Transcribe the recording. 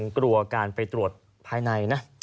กลัวการไปตรวจภายในนะ